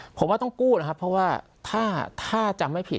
ผมว่าต้องกู้นะครับเพราะว่าถ้าจำไม่ผิด